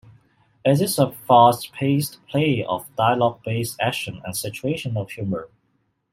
It is a fast-paced play of dialogue-based action and situational humour.